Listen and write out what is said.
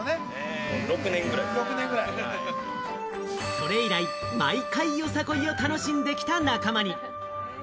それ以来、毎回よさこいを楽しんできた仲間に。